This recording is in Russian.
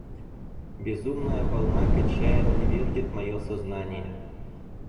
Безумная волна качает и вертит мое сознание...